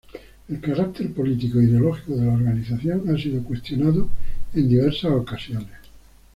El carácter político e ideológico de la organización ha sido cuestionado en diversas ocasiones.